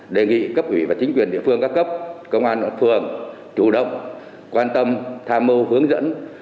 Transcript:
đề nghị cấp ủy và chính quyền địa phương các cấp công an phường chủ động quan tâm tham mưu hướng dẫn